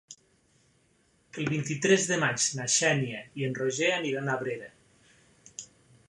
El vint-i-tres de maig na Xènia i en Roger aniran a Abrera.